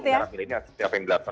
di mana milenial setiap yang datang